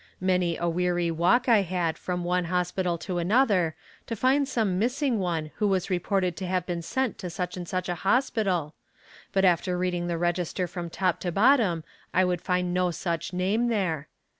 Many a weary walk I had from one hospital to another to find some missing one who was reported to have been sent to such and such a hospital; but after reading the register from top to bottom I would find no such name there.